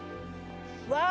わあ！